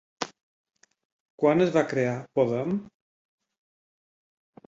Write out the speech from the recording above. Quan es va crear Podem?